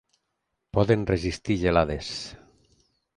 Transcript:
Poden resistir gelades.